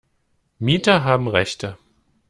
Mieter haben Rechte.